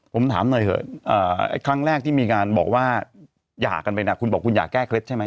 ผมถามหน่อยเถอะครั้งแรกที่มีการบอกว่าหย่ากันไปนะคุณบอกคุณอยากแก้เคล็ดใช่ไหม